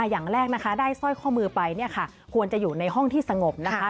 อย่างแรกนะคะได้สร้อยข้อมือไปควรจะอยู่ในห้องที่สงบ